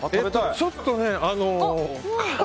ちょっとね。